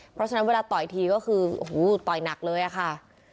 เพราะฉะนั้นเวลาต่อยทีก็คือโอ้โหต่อยหนักเลยอะค่ะ